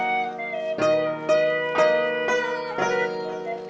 yang ini udah kecium